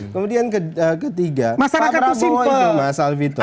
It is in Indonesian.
kemudian ketiga pak prabowo itu masal fitur